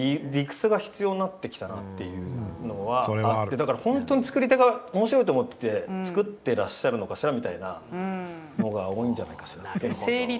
だから本当に作り手が面白いと思って作ってらっしゃるのかしらみたいなのが多いんじゃないかしらと。